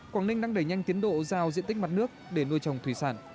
quảng ninh đang đẩy nhanh tiến độ giao diện tích mặt nước để nuôi trồng thủy sản